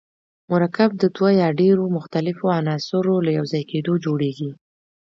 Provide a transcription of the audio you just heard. مرکب د دوه یا ډیرو مختلفو عناصرو له یوځای کیدو جوړیږي.